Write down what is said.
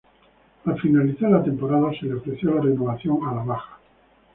Al finalizar la temporada se le ofreció la renovación a la baja.